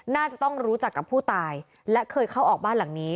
น่าจะต้องรู้จักกับผู้ตายและเคยเข้าออกบ้านหลังนี้